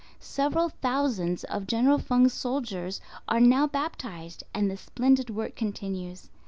Several thousands of General Feng's soldiers are now baptized and the splendid work continues.